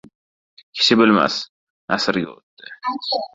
Kishi bilmas, nasrga o‘tdi.